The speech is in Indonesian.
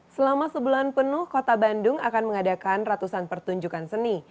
selama sebulan penuh kota bandung akan mengadakan ratusan pertunjukan seni